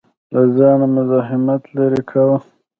له ځانه مزاحمت لرې کاوه.